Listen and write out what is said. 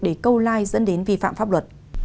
để câu lai dẫn đến vi phạm pháp luật